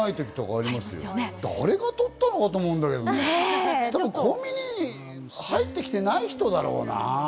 誰が盗ったのかなと思うんだけど、コンビニに入ってきてない人だろうな。